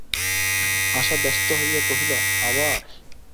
আশা ব্যস্ত হইয়া কহিল, আবার!